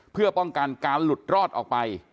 เพื่อป้องกันการหลุดรอดออกไป